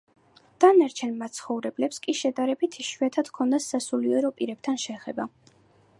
დანარჩენ მაცხოვრებლებს კი შედარებით იშვიათად ჰქონდათ სასულიერო პირებთან შეხება.